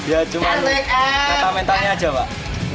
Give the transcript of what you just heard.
ya cuma kata mentalnya aja pak